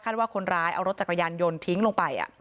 ว่าคนร้ายเอารถจักรยานยนต์ทิ้งลงไป